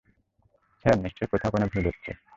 Sir, নিশ্চয়ই কোথাও কোনো ভুল হচ্ছে।